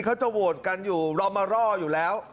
เขาจะโหวตกันอยู่เรามารออยู่แล้ว